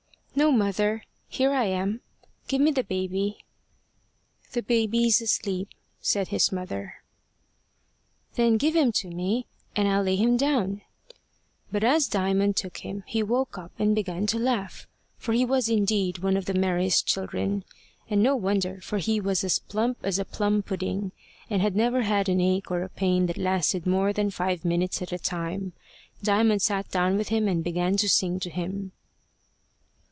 "No, mother; here I am. Give me the baby." "The baby's asleep," said his mother. "Then give him to me, and I'll lay him down." But as Diamond took him, he woke up and began to laugh. For he was indeed one of the merriest children. And no wonder, for he was as plump as a plum pudding, and had never had an ache or a pain that lasted more than five minutes at a time. Diamond sat down with him and began to sing to him.